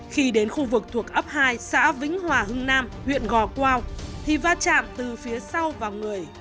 khi đến khu vực thuộc ấp hai xã vĩnh hòa hưng nam huyện gò quao thì va chạm từ phía sau vào người